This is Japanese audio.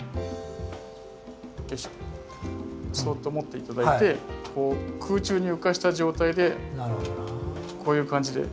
そっと持って頂いて空中に浮かした状態でこういう感じで。